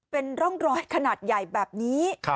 เป็นร่องรอยขนาดใหญ่แบบนี้